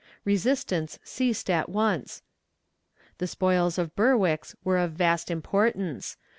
Resistance ceased at once. The spoils of Berwick's were of vast importance.